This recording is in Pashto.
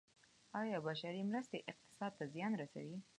آیا بشري مرستې اقتصاد ته زیان رسوي؟